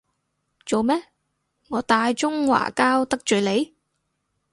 做咩，我大中華膠得罪你？